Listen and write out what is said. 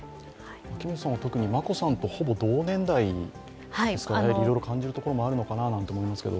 秋元さんは、眞子さんとほぼ同年代ですか、いろいろ感じるところもあるのかなと思いますが。